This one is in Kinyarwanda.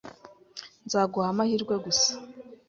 Nzaguha amahirwe gusa.